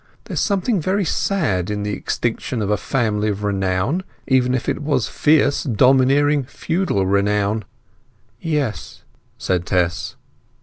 There is something very sad in the extinction of a family of renown, even if it was fierce, domineering, feudal renown." "Yes," said Tess.